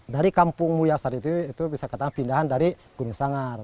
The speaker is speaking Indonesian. dari kampung mulia sari itu bisa kata pindahan dari gunung sanggar